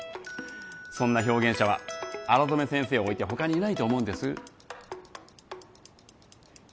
そんな表現者は荒染先生をおいて他にいないと思うんです